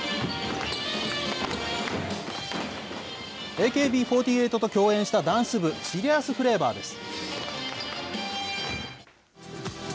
ＡＫＢ４８と共演したダンス部、シリアス・フレーバーです。